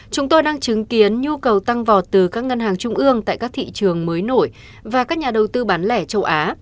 chúng tôi đang chứng kiến nhu cầu tăng vọt từ các ngân hàng trung ương tại các thị trường mới nổi và các nhà đầu tư bán lẻ châu á